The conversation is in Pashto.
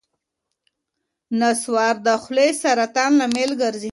نصوار د خولې سرطان لامل ګرځي.